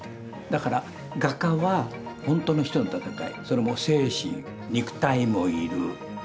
だから画家はほんとの一人の闘いそれも精神肉体もいる。